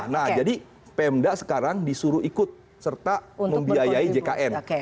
nah jadi pemda sekarang disuruh ikut serta membiayai jkn